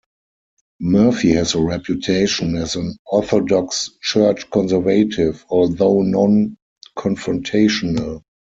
Murphy has a reputation as an orthodox church conservative although non-confrontational.